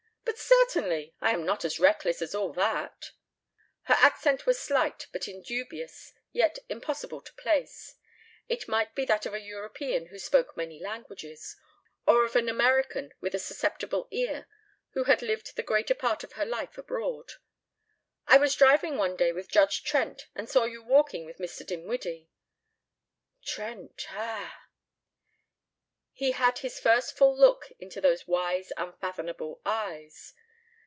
"But certainly. I am not as reckless as all that." Her accent was slight but indubious, yet impossible to place. It might be that of a European who spoke many languages, or of an American with a susceptible ear who had lived the greater part of her life abroad. "I was driving one day with Judge Trent and saw you walking with Mr. Dinwiddie." "Trent ah!" He had his first full look into those wise unfathomable eyes.